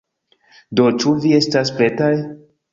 Do, ĉu vi estas pretaj?